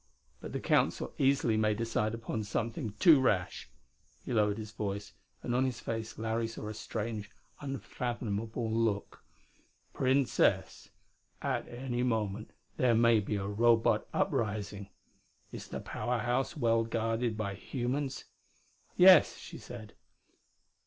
But the Council easily may decide upon something too rash." He lowered his voice, and on his face Larry saw a strange, unfathomable look. "Princess, at any moment there may be a Robot uprising. Is the Power House well guarded by humans?" "Yes," she said.